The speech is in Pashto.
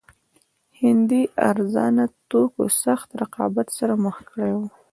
هندي ارزانه توکو سخت رقابت سره مخ کړي وو.